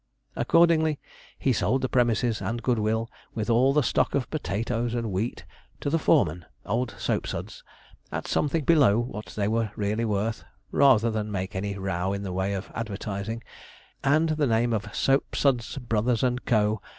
Accordingly, he sold the premises and good will, with all the stock of potatoes and wheat, to the foreman, old Soapsuds, at something below what they were really worth, rather than make any row in the way of advertising; and the name of 'Soapsuds, Brothers & Co.'